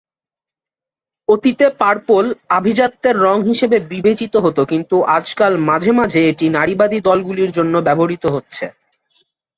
অতীতে 'পার্পল' আভিজাত্যের রঙ হিসেবে বিবেচিত হতো কিন্তু আজকাল মাঝে মাঝে এটি নারীবাদী দলগুলির জন্য ব্যবহৃত হচ্ছে।